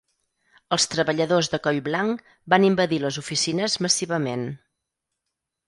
Els treballadors de coll blanc van invadir les oficines massivament.